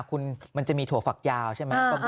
คุณมันจะมีถั่วฝักยาวใช่ไหม